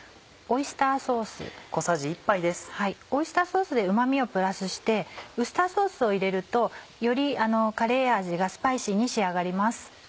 オイスターソースでうま味をプラスしてウスターソースを入れるとよりカレー味がスパイシーに仕上がります。